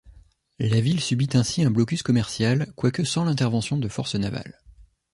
La ville subit ainsi un blocus commercial, quoique sans l’intervention de forces navales.